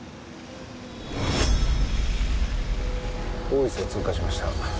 大磯を通過しました。